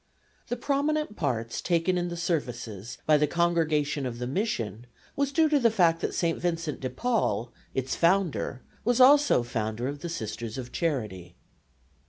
The prominent part taken in the services by the Congregation of the Mission was due to the fact that St. Vincent de Paul, its founder, was also founder of the Sisters of Charity.